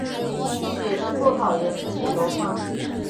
写的不好的也是一箩筐